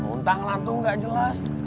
untang lantung gak jelas